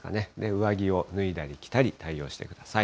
上着を脱いだり着たり対応してください。